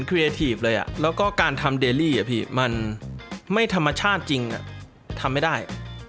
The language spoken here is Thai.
ครีเอทีฟเลยอ่ะแล้วก็การทำมันไม่ธรรมชาติจริงอ่ะทำไม่ได้